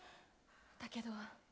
だけど。